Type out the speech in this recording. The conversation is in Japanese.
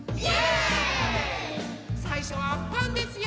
さいしょはパンですよ。